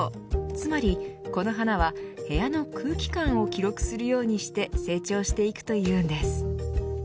つまりこの花は部屋の空気感を記録するようにして成長していくというんです。